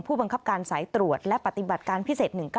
ผู้บังคับการสายตรวจและปฏิบัติการพิเศษ๑๙